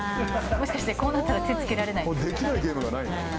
もしかして、こうなったら手つけられない？